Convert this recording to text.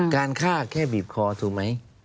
การฆ่าแค่บีบคอถูกไหม